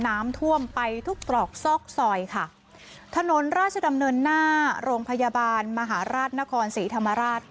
น้ำท่วมไปทุกตรอกซอกซอยค่ะถนนราชดำเนินหน้าโรงพยาบาลมหาราชนครศรีธรรมราช